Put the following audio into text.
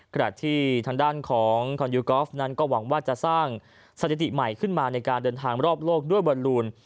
ขณะที่ทางด้านของคอนยูกอล์ฟนั้นก็หวังว่าจะสร้างสถิติใหม่ขึ้นมาในการเดินทางรอบโลกด้วยบอลลูน